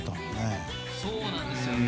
そうなんですよね。